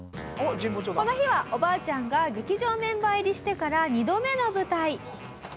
この日はおばあちゃんが劇場メンバー入りしてから２度目の舞台。